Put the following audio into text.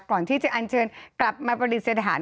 ก่อนที่จะอันเชิญกลับมาปฏิสถาน